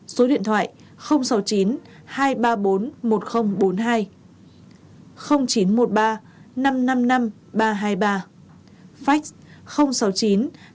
số điện thoại sáu mươi chín hai trăm ba mươi bốn một nghìn bốn mươi hai